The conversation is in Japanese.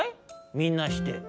みんなして。